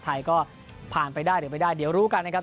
ไทยก็ผ่านไปได้หรือไม่ได้เดี๋ยวรู้กันนะครับ